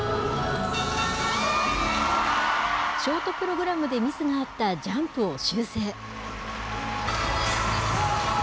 ショートプログラムでミスがあったジャンプを修正。